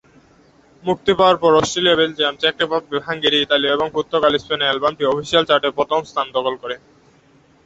মুক্তি পাওয়ার পর অস্ট্রেলিয়া, বেলজিয়াম, চেক রিপাবলিক, হাঙ্গেরি, ইটালি, পর্তুগাল এবং স্পেনে অ্যালবামটি অফিসিয়াল চার্টে প্রথম স্থান দখল করে।